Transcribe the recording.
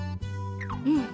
うん。